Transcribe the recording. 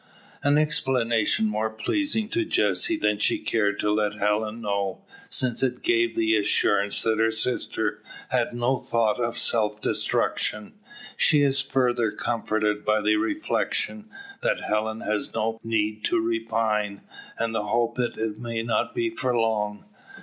An explanation more pleasing to Jessie than she cared to let Helen know; since it gave the assurance that her sister had no thought of self destruction. She is further comforted by the reflection, that Helen has no need to repine, and the hope it may not be for long.